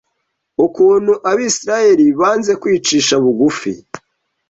ukuntu Abisiraheli banze kwicisha bugufi